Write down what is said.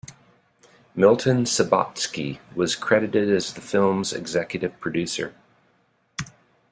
Milton Subotsky was credited as the film's executive producer.